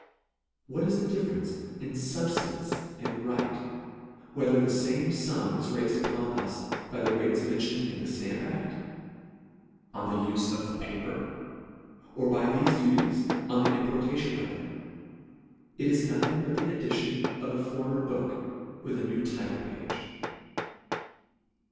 What is the difference in fubjlance and right, whether the fame fum is railed upon us by the rates mentioned in the Stamp a£t, on the ufe of the paper, or by thefe duties, on the importation of it. It is nothing but the edition of a former book, with a new title page.